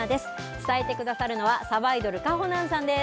伝えてくださるのは、さばいどるかほなんさんです。